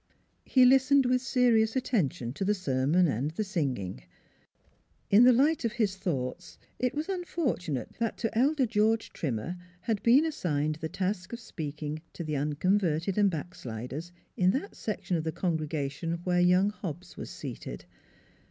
He listened with serious attention to the sermon and the singing. ... In the light of his thoughts it was unfortunate that to Elder George Trimmer had been assigned the task of speaking to the unconverted and backsliders in that section of the congregation where young Hobbs was seated.